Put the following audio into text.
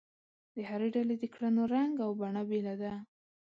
د هرې ډلې د کړنو رنګ او بڼه بېله ده.